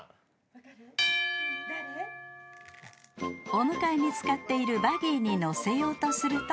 ［お迎えに使っているバギーに乗せようとすると］